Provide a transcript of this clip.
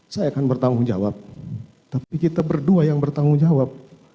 saya akan bertanggung jawab tapi kita berdua yang bertanggung jawab